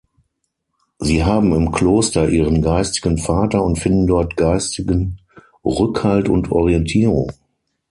Sie haben im Kloster ihren geistigen Vater und finden dort geistigen Rückhalt und Orientierung.